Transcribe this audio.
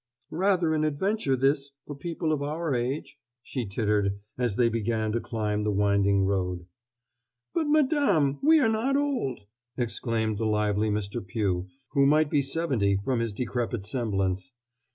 "Rather an adventure, this, for people of our age...." she tittered, as they began to climb the winding road. "But, madam, we are not old!" exclaimed the lively Mr. Pugh, who might be seventy from his decrepit semblance.